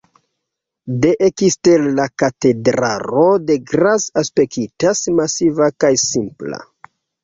De ekstere la katedralo de Graz aspektas masiva kaj simpla.